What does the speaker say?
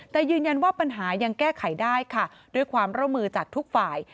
แต่ยืนยันว่าปัญหายังแก้ไขได้ค่ะด้วยความร่วมมือจากทุกฝ่าย